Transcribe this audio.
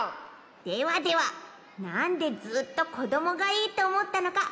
ではではなんでずっとこどもがいいとおもったのかきいてもらえますか？